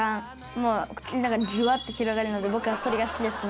もう口の中でジュワッと広がるので僕はそれが好きですね。